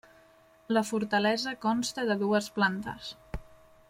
La Fortalesa consta de dues plantes.